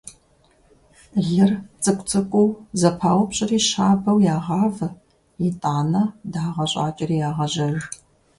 Лыр цӀыкӀу-цӀыкӀуу зэпаупщӀри щабэу ягъавэ, итӀанэ дагъэ щӀакӀэри ягъажьэж.